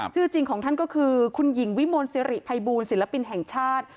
ชื่อจริงของท่านก็คือคุณหญิงวิมลสิริภัยบูลศิลปินแห่งชาติ